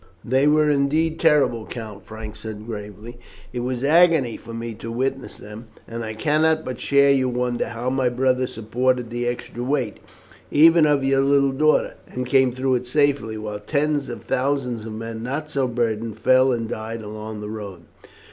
"They were indeed terrible, Count," Frank said gravely. "It was agony for me to witness them, and I cannot but share your wonder how my brother supported the extra weight, even of your little daughter, and came through it safely, while tens of thousands of men not so burdened fell and died along the road."